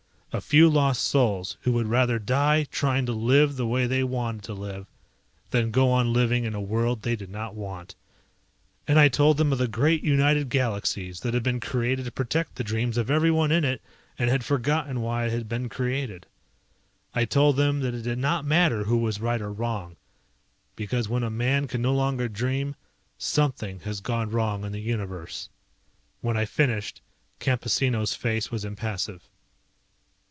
A few lost souls who would rather die trying to live the way they wanted to live than go on living in a world they did not want. And I told them of the great United Galaxies, that had been created to protect the dreams of everyone in it and had forgotten why it had been created. I told them that it did not matter who was right or wrong, because when a man can no longer dream something has gone wrong in the Universe. When I finished, Campesino's face was impassive.